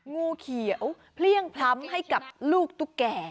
งูเขียวเพลี่ยงพล้ำให้กับลูกตุ๊กแก่